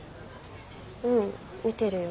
うん見てるよ。